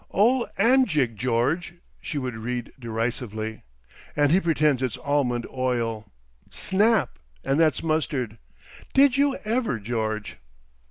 "Ol Amjig, George," she would read derisively, "and he pretends it's almond oil! Snap!—and that's mustard. Did you ever, George?